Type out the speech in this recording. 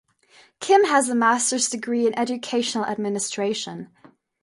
Kim has a master's degree in Educational Administration.